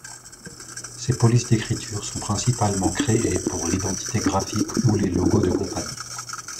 Ses polices d’écriture sont principalement créées pour l’identité graphique ou les logos de compagnies.